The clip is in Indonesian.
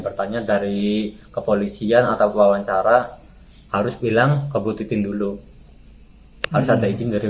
bertanya dari kepolisian atau wawancara harus bilang kebututin dulu harus ada izin dari